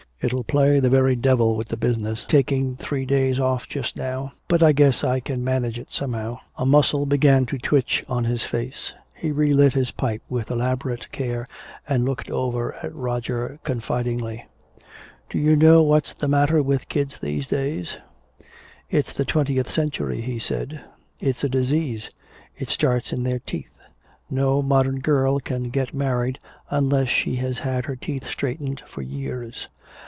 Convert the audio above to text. "It'll play the very devil with business, taking three days off just now. But I guess I can manage it somehow " A muscle began to twitch on his face. He re lit his pipe with elaborate care and looked over at Roger confidingly: "Do you know what's the matter with kids these days? It's the twentieth century," he said. "It's a disease. It starts in their teeth. No modern girl can get married unless she has had her teeth straightened for years.